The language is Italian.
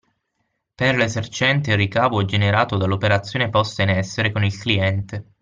Per l’esercente il ricavo è generato dall’operazione posta in essere con il cliente